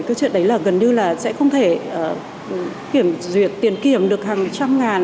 cái chuyện đấy là gần như là sẽ không thể kiểm duyệt tiền kiểm được hàng trăm ngàn